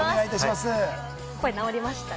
声、直りましたね。